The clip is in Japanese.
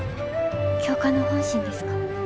教官の本心ですか？